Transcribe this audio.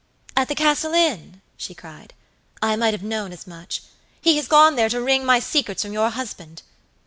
"At the Castle Inn?" she cried. "I might have known as much. He has gone there to wring my secrets from your husband.